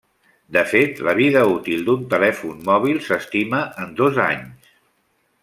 De fet, la vida útil d'un telèfon mòbil s'estima en dos anys.